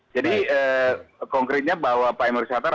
jadi konkretnya bahwa pak emery sattar